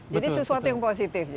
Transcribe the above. jadi sesuatu yang positif